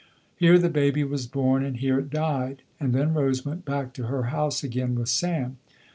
Here the baby was born, and here it died, and then Rose went back to her house again with Sam.